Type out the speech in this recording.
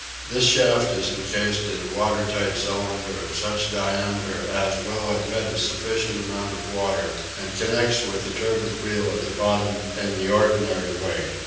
This shaft is incased in a water tight cylinder of such diameter as will admit a sufficient amount of water, and connects with the turbine wheel at the bottom in the ordinary way.